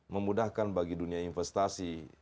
memudahkan bagi dunia investasi